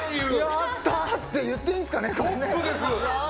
やったー！って言っていいんですかね。